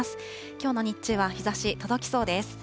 きょうの日中は日ざし、届きそうです。